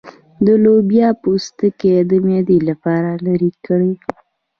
د لوبیا پوستکی د معدې لپاره لرې کړئ